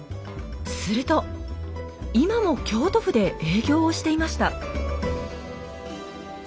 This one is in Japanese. すると今も京都府で営業をしていました。